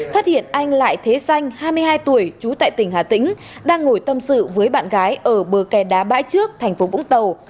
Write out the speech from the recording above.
phát hiện anh lại thế xanh hai mươi hai tuổi trú tại tỉnh hà tĩnh đang ngồi tâm sự với bạn gái ở bờ kè đá bãi trước thành phố vũng tàu